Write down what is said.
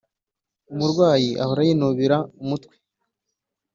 umurwayi ahora yinubira umutwe.